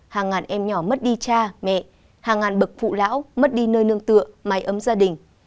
hàng ngàn em nhỏ mất đi cha mẹ hàng ngàn bậc phụ lão mất đi nơi nương tựa mái ấm gia đình